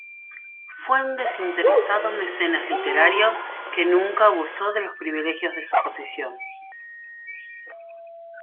Fue un desinteresado mecenas literario, que nunca abusó de los privilegios de su posición.